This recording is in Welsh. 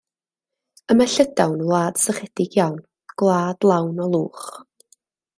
Y mae Llydaw'n wlad sychedig iawn, gwlad lawn o lwch.